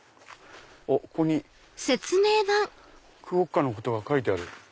おっここにクオッカのことが書いてある。